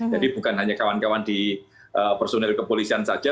jadi bukan hanya kawan kawan di personil kepolisian saja